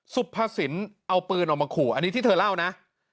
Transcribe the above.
สุภสินเอาปืนออกมาขู่อันนี้ที่เธอเล่านะ